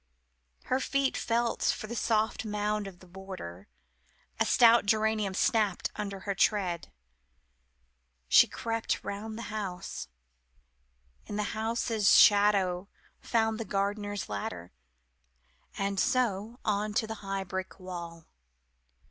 Her feet felt the soft mould of the border: a stout geranium snapped under her tread. She crept round the house, in the house's shadow found the gardener's ladder and so on to the high brick wall.